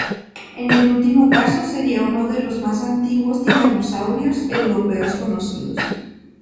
En el último caso sería uno de los más antiguos titanosaurios europeos conocidos.